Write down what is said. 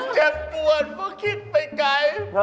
เจ็บปวดเพราะคิดไปไกล